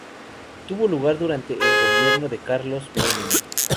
Tuvo lugar durante el primer gobierno de Carlos Menem.